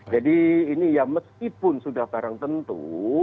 jadi ini ya meskipun sudah barang tentu